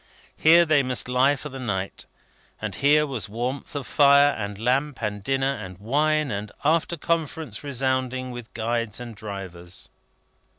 Here they must lie for the night; and here was warmth of fire, and lamp, and dinner, and wine, and after conference resounding, with guides and drivers.